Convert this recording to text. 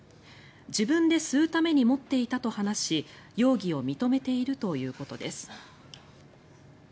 自分で吸うために持っていたと話し容疑を認めているということです。